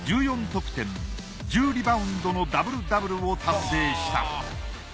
得点１０リバウンドのダブルダブルを達成した。